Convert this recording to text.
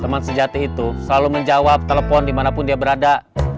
teman sejati itu selalu menjawab telepon dimanapun dia berada